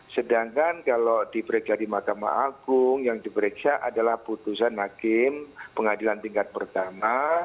sedangkan kalau diperiksa di mahkamah agung yang diperiksa adalah putusan hakim pengadilan tingkat pertama